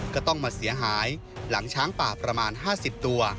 ก็ต้องมาเสียหายหลังช้างป่าประมาณ๕๐ตัว